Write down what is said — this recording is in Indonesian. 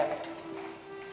aku bisa jadi orang kaya